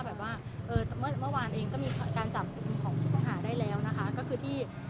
เมื่อวานเองก็มีการจำยอมคำประหาได้แล้วก็คือที่